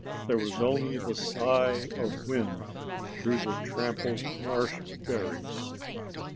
There was only the sigh of wind through the trampled marshberries.